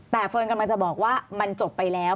แต่เฟิร์นกำลังจะบอกว่ามันจบไปแล้ว